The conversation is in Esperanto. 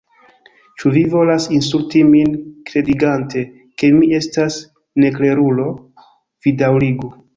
Ĉu vi volas insulti min kredigante ke mi estas neklerulo? vi daŭrigu!"